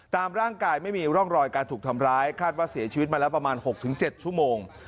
ตามร่างกายไม่มีร่องรอยการถูกทำร้ายคาดว่าเสียชีวิตมาแล้วประมาณ๖๗ชั่วโมง